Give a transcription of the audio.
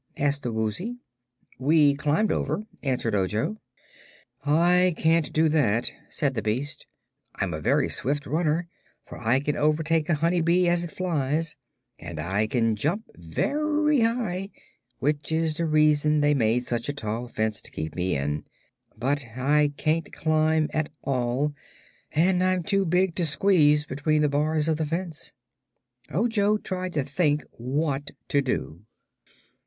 asked the Woozy. "We climbed over," answered Ojo. "I can't do that," said the beast. "I'm a very swift runner, for I can overtake a honey bee as it flies; and I can jump very high, which is the reason they made such a tall fence to keep me in. But I can't climb at all, and I'm too big to squeeze between the bars of the fence." Ojo tried to think what to do.